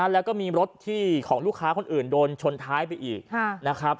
แล้วก็มีรถที่ของลูกค้าคนอื่นโดนชนท้ายไปอีกนะครับ